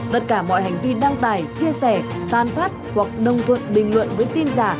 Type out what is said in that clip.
tất cả mọi hành vi đăng tài chia sẻ tan phát hoặc nông thuận bình luận với tin giả